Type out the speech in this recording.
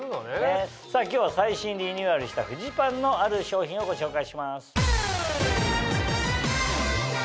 さぁ今日は最新リニューアルしたフジパンのある商品をご紹介します。